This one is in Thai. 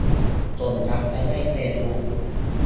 ส่งกลับไปให้เฟซบุ๊ก